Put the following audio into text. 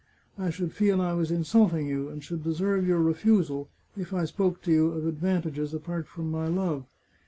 I should feel I was insulting you, and should deserve your refusal, if I spoke to you of advantages apart from my love.